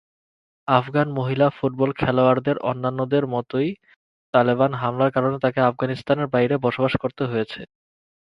আফগান মহিলা ফুটবল খেলোয়াড়দের অন্যান্যদের মতোই, তালেবান হামলার কারণে তাকে আফগানিস্তানের বাইরে বসবাস করতে হয়েছে।